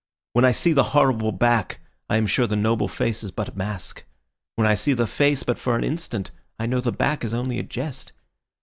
When I see the horrible back, I am sure the noble face is but a mask. When I see the face but for an instant, I know the back is only a jest.